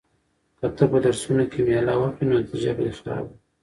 که ته په درسونو کې مېله وکړې نو نتیجه به دې خرابه وي.